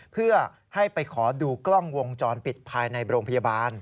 เพื่อให้ไปขอดูกล้องวงจรปิดภายในโรงพยาบาล